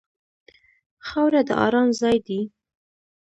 خاوره د ارام ځای دی.